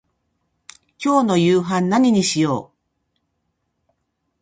今日の夕飯何にしよう。